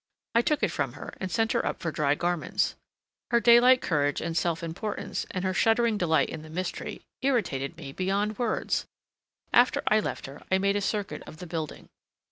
I took it from her, and sent her up for dry garments. Her daylight courage and self importance, and her shuddering delight in the mystery, irritated me beyond words. After I left her I made a circuit of the building.